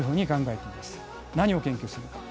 何を研究するか。